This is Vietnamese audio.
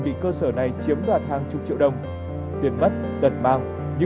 mình sợ mặt mình bị hoại tử